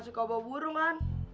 suka bawa burungan